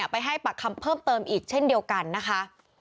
ไปให้ปากคำเพิ่มเติมอีกเช่นเดียวกันนะคะ